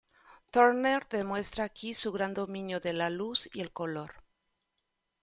Turner demuestra aquí su gran dominio de la luz y el color.